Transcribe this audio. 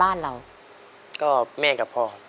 ประจำที่น้องมิคมาต่อชีวิตเป็นคนต่อไปครับ